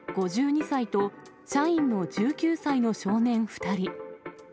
５２歳と、社員の１９歳の少年２人。